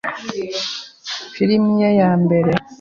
Filimi ye ya mbere